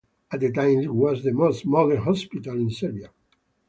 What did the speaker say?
At the time it was the most modern hospital in Serbia.